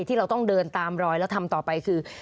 ที่เราต้องเดินตามรอยแล้วทำต่อไปคือ